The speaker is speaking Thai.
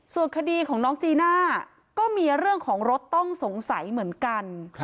ส่วนคดีของน้องจีน่าก็มีเรื่องของรถต้องสงสัยเหมือนกัน